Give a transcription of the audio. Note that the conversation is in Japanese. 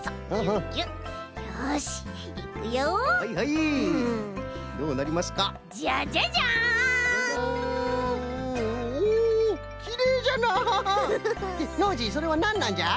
ノージーそれはなんなんじゃ？